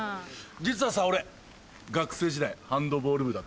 実はさ俺学生時代ハンドボール部だったんだ。